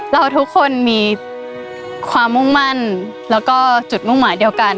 เราทุกคนมีความมุ่งมั่นแล้วก็จุดมุ่งหมายเดียวกัน